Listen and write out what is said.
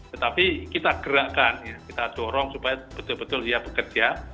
tetapi kita gerakkan ya kita dorong supaya betul betul dia bekerja